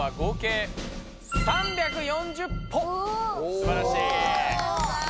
すばらしい。